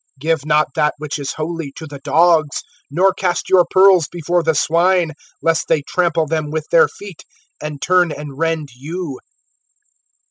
(6)Give not that which is holy to the dogs, nor cast your pearls before the swine; lest they trample them with their feet, and turn and rend you.